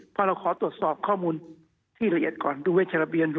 พอเราขอตรวจสอบข้อมูลที่ละเอียดก่อนดูเวชระเบียนดู